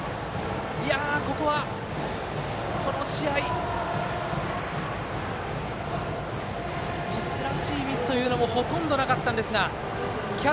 ここは、この試合ミスらしいミスというのもほとんどなかったんですが。